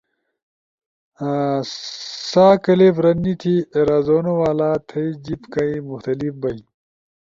سسا کلپ رد نی تھی ایرازونو والا تھئی جیِب کئی مختلف بئی